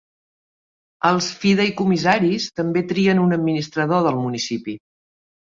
Els fideïcomissaris també trien un administrador del municipi.